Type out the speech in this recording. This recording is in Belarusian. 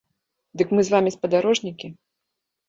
Дык мы з вамі спадарожнікі!